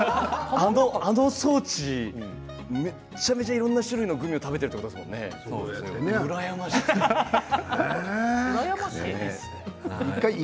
あの装置めちゃめちゃいろんな種類のグミを食べているということですものね、羨ましい。